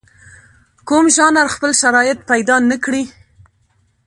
کوم ژانر خپل شرایط پیدا نکړي.